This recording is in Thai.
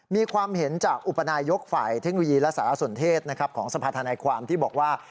มีความเห็นจากอุปนายกฝ่ายเทคโนโลยีและสารสนเทศของสภาธนาความที่บอกว่า